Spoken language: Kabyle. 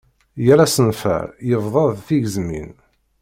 Yal asenfar, yebḍa d tigezmin.